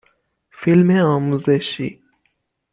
فیلم آموزشی